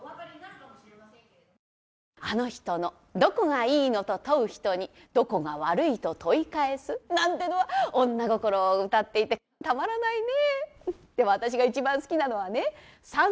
あの人のどこがいいのと問う人にどこが悪いと問い返すなんてのは、女心を歌っていて、たまらないね。